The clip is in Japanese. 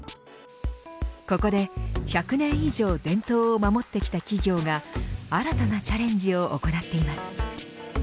ここで１００年以上伝統を守ってきた企業が新たなチャレンジを行っています。